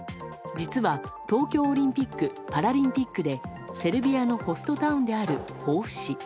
実は、東京オリンピック・パラリンピックでセルビアのホストタウンである防府市。